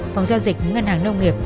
phòng giao dịch ngân hàng nông nghiệp